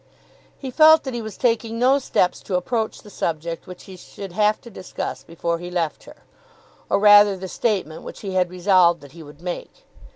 He felt that he was taking no steps to approach the subject which he should have to discuss before he left her, or rather the statement which he had resolved that he would make.